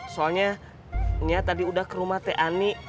soalnya ya tadi udah ke rumah teh ani